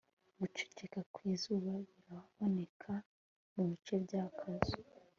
Guceceka kwizuba biraboneka mubice byakazu